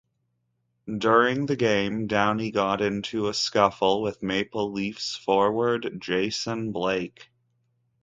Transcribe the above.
During the game, Downie got into a scuffle with Maple Leafs forward Jason Blake.